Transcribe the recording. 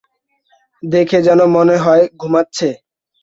দেখে যেনো মনে হয় ঘুমাচ্ছে।